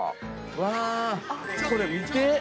わぁこれ見て！